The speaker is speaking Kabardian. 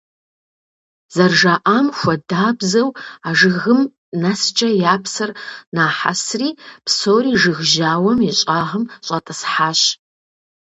ЗэрыжаӀам хуэдабзэу, а жыгым нэскӀэ «я псэр нахьэсри», псори жыг жьауэм и щӀагъым щӀэтӀысхьащ.